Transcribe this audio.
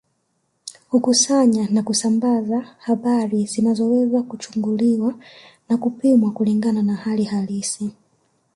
Kukusanya na kusambaza habari zinazoweza kuchunguliwa na kupimwa kulingana na hali halisi